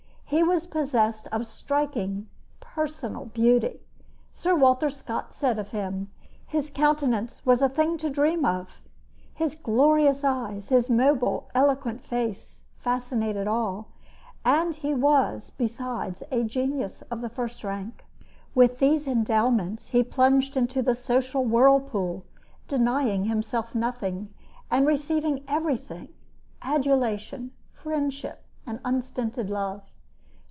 He was possessed of striking personal beauty. Sir Walter Scott said of him: "His countenance was a thing to dream of." His glorious eyes, his mobile, eloquent face, fascinated all; and he was, besides, a genius of the first rank. With these endowments, he plunged into the social whirlpool, denying himself nothing, and receiving everything adulation, friendship, and unstinted love.